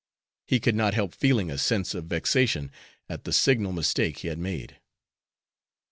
He could not help feeling a sense of vexation at the signal mistake he had made. Dr.